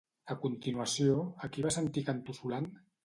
A continuació, a qui va sentir cantussolant?